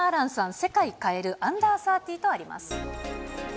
世界変えるアンダー３０とあります。